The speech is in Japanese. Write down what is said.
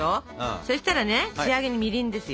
そしたらね仕上げにみりんですよ。